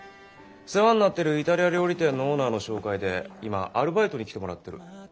世話になってるイタリア料理店のオーナーの紹介で今アルバイトに来てもらってる。